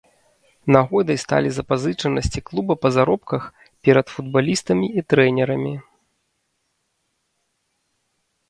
Нагодай сталі запазычанасці клуба па заробках перад футбалістамі і трэнерамі.